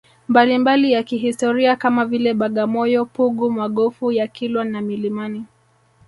mbalimbali ya kihistoria kama vile Bagamoyo Pugu Magofu ya Kilwa na milimani